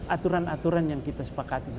aturan aturan yang kita sepakati